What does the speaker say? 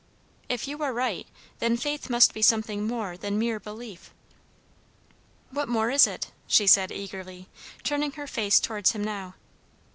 "If you are right, then faith must be something more than mere belief." "What more is it?" she said eagerly, turning her face towards him now.